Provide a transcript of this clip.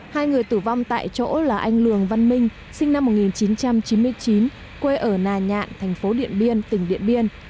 hai người tử vong tại chỗ là anh lường văn minh sinh năm một nghìn chín trăm chín mươi chín quê ở nà nhạn thành phố điện biên tỉnh điện biên